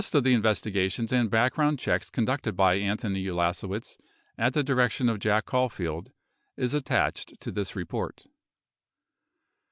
Ill of the investigations and background checks conducted by Anthony Ulasewicz at the direction of Jack Caulfield is attached to this report.